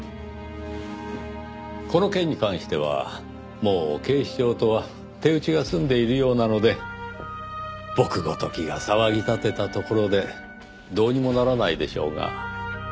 この件に関してはもう警視庁とは手打ちが済んでいるようなので僕ごときが騒ぎ立てたところでどうにもならないでしょうが。